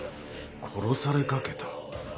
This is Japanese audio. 殺されかけた？